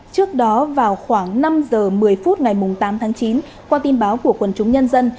trước đó vào khoảng năm h một mươi phút ngày tám tháng chín qua tin báo của quần chúng nhân dân